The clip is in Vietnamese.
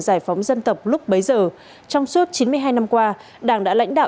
giải phóng dân tộc lúc bấy giờ trong suốt chín mươi hai năm qua đảng đã lãnh đạo